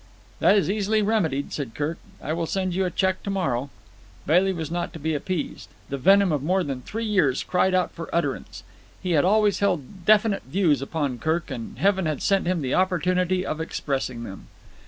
"That is easily remedied," said Kirk. "I will send you a cheque to morrow." Bailey was not to be appeased. The venom of more than three years cried out for utterance. He had always held definite views upon Kirk, and Heaven had sent him the opportunity of expressing them.